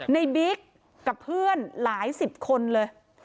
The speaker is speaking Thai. บิ๊กกับเพื่อนหลายสิบคนเลย